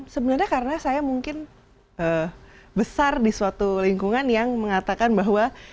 sebenarnya karena saya mungkin besar di suatu lingkungan yang mengatakan bahwa